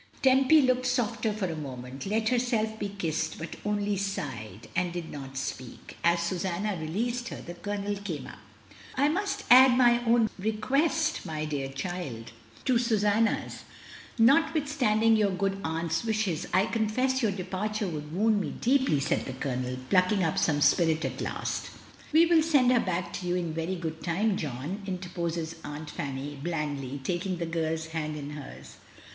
Tempy looked softer for a moment, let herself be kissed, but only sighed, and did not speak. As Susanna released her, the Colonel came up. "I must add my own request, my dear child. 224 MRS. DYMOND. to Susanna's. Notwithstanding your good aunt's wishes, I confess your departure would wound me deeply," said the Colonel, plucking up some spirit at last. "We will send her back to you in very good time, John," interposes Aunt Fanny, blandly, taking the girl's hand in hers.